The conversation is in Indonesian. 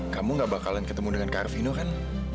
kamu nggak bakalan ketemu dengan kak arvino kan